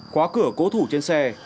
khóa cửa cố thủ trên xe